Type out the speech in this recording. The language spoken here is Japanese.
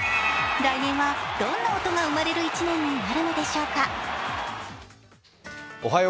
来年はどんな音が生まれる一年になるのでしょうか。